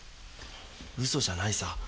嘘じゃないさ。